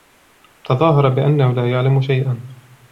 تظاهر بأنه لا يعلم شيئا.